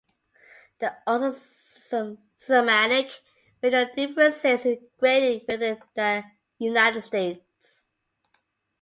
There are also systematic regional differences in grading within the United States.